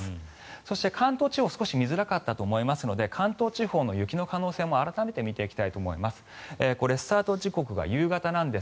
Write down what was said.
そして関東地方少し見づらかったと思いますので関東地方の雪の可能性も改めて見ていきたいと思います。